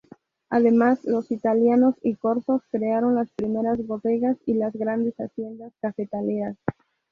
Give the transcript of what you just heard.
Además los italianos y corsos crearon las primeras bodegas y las grandes haciendas cafetaleras.